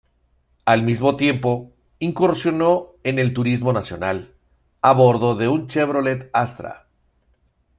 Al mismo tiempo, incursionó en el Turismo Nacional, a bordo de un Chevrolet Astra.